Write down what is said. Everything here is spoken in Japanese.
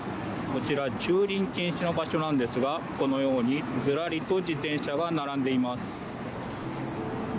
こちら駐輪禁止の場所なんですがこのようにずらりと自転車が並んでいます。